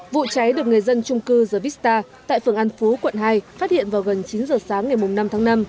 vụ cháy được người dân trung cư zavista tại phường an phú quận hai phát hiện vào gần chín giờ sáng ngày năm tháng năm